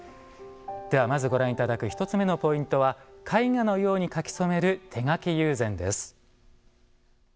では、まずご覧いただく１つ目のポイントは絵画のように描き染める手描き友禅です。